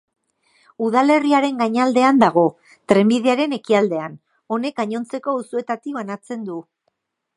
Udalerriaren gainaldean dago, trenbidearen ekialdean, honek gainontzeko auzoetatik banatzen du.